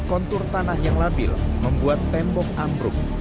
kontur tanah yang labil membuat tembok ambruk